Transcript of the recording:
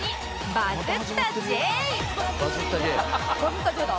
「バズったＪだ」